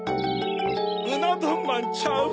うなどんまんちゃう。